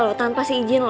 loh tau kan